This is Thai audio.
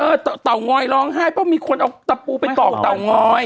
เตางอยร้องไห้เพราะมีคนเอาตะปูไปตอกเตางอย